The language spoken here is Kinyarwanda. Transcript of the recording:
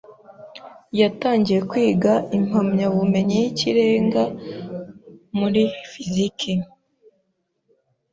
yatangiye kwiga impamyabumenyi y'ikirenga. muri fiziki.